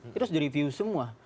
itu harus direview semua